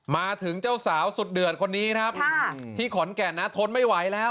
มาถึงเจ้าสาวสุดเดือดคนนี้ครับที่ขอนแก่นนะทนไม่ไหวแล้ว